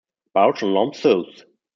Bausch and Lomb's Soothe.